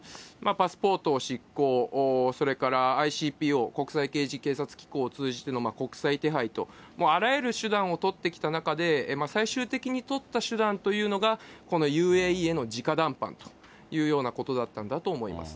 パスポートを失効、それからＩＣＰＯ・国際刑事警察機構を通じての国際手配と、あらゆる手段を取ってきた中で、最終的に取った手段というのが、このＵＡＥへのじか談判だということだったんだと思います。